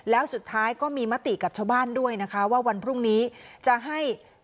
แล้วสุดท้ายก็มีมติกับชาวบ้านด้วยนะคะว่าวันพรุ่งนี้จะให้